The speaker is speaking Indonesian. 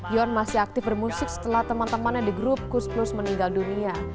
yon masih aktif bermusik setelah teman temannya di grup kusnus meninggal dunia